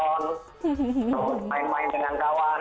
terus main main dengan kawan